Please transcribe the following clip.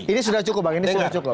ini sudah cukup bang ini sudah cukup